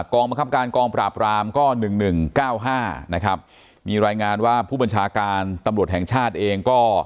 กองบังคับการกองปราบรามก็๑๑๙๕นะครับมีรายงานว่าผู้บัญชาการตำรวจแห่งชาติเองก็